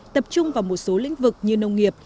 tập trung vào một số lĩnh vực như nông nghiệp